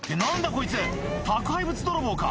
こいつ宅配物泥棒か！